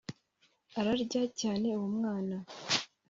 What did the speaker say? Ararya cyane uwo mwana